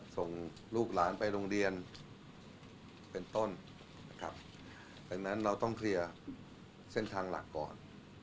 ส่งลูกหลานไปโรงเรียนเป็นต้นนะครับดังนั้นเราต้องเคลียร์เส้นทางหลักก่อน